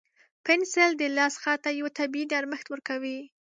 پنسل د لاس خط ته یو طبیعي نرمښت ورکوي.